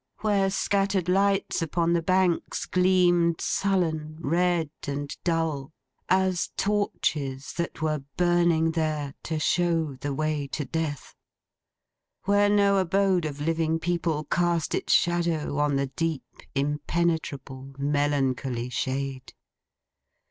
Where scattered lights upon the banks gleamed sullen, red, and dull, as torches that were burning there, to show the way to Death. Where no abode of living people cast its shadow, on the deep, impenetrable, melancholy shade.